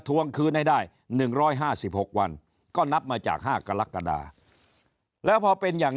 ทวงคืนให้ได้๑๕๖วันก็นับมาจาก๕กรกฎาแล้วพอเป็นอย่าง